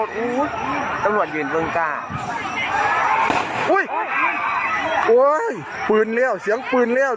ตำรวจเย็นเบื้องกาอุ๊ยโอ้ยปืนแล้วเสียงปืนแล้ว